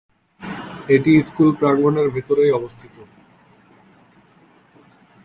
এটি স্কুল প্রাঙ্গণের ভেতরেই অবস্থিত।